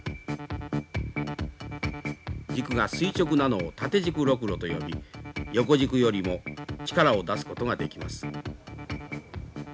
軸が垂直なのを縦軸ロクロと呼び横軸よりも力を出すことができます。